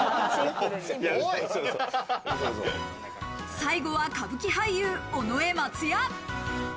最後は歌舞伎俳優・尾上松也。